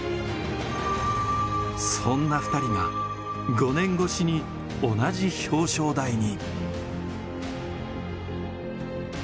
そんな２人が５年越しに同じ表彰台に。